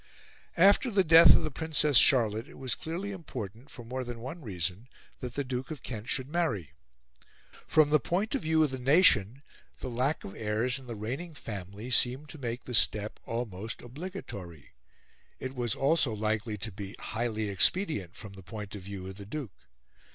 After the death of the Princess Charlotte it was clearly important, for more than one reason, that the Duke of Kent should marry. From the point of view of the nation, the lack of heirs in the reigning family seemed to make the step almost obligatory; it was also likely to be highly expedient from the point of view of the Duke.